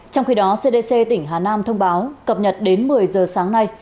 trong khi đó cdc tỉnh hà nam thông báo cập nhật đến một mươi giờ sáng nay